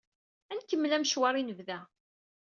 Ad nkemmel amecwar i d-nebda.